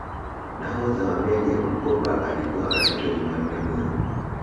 nahodha wa meli ya bukoba alikuwa anaitwa jumanne mwiru